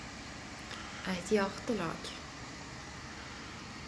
Eit hjartelag.